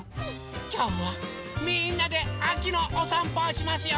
きょうはみんなであきのおさんぽをしますよ！